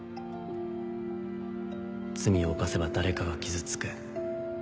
罪を犯せば誰かが傷つく